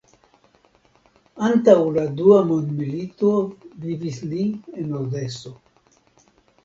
Antaŭ la Dua mondmilito vivis li en Odeso.